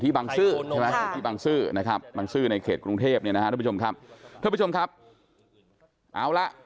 ที่บังซื่อบังซื่อในเขตกรุงเทพท่านผู้ผู้ผู้ชมครับเอาละ